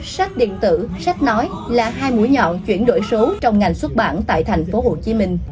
sách điện tử sách nói là hai mũi nhọn chuyển đổi số trong ngành xuất bản tại tp hcm